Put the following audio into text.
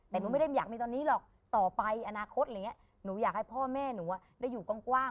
อนาคตอย่างเงี้ยหนูอยากให้พ่อแม่หนูอ่ะได้อยู่กว้างกว้าง